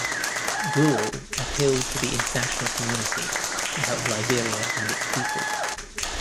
Grewal appealed to the international community to help Liberia and its people.